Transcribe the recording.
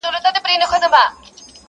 عمر تېر سو زه په صبر نه مړېږم!!